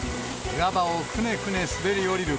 岩場をくねくね滑り降りる